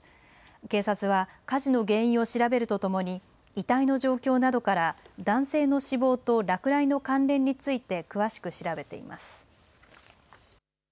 警察は火事の原因を調べるとともに遺体の状況などから男性の死亡と落雷の関連について詳しく調べています。